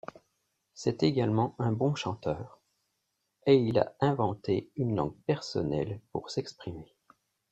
C'est également un bon chanteur, et il a inventé une langue personnelle pour s'exprimer.